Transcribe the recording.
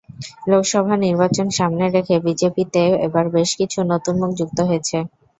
লোকসভা নির্বাচন সামনে রেখে বিজেপিতে এবার বেশ কিছু নতুন মুখ যুক্ত হয়েছে।